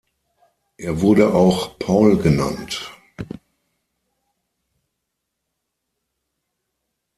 Er wurde auch Paul genannt.